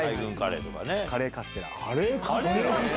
カレーカステラ⁉